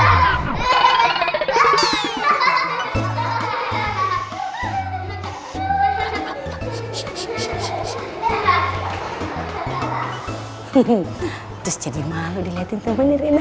hehe terus jadi malu diliatin temennya rena